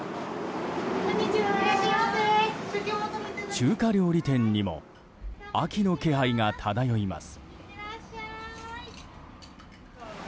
中華料理店にも秋の気配が漂います。